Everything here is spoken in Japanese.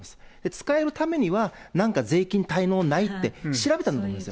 使えるためには、なんか税金滞納ない？って調べたんだと思います。